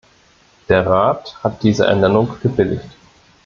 Der Rat hat diese Ernennung gebilligt.